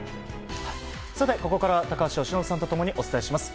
ここからは高橋由伸さんと共にお伝えします。